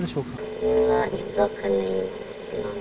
自分はちょっと分かんないですね。